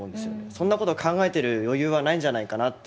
そんなこと考えてる余裕はないんじゃないかなって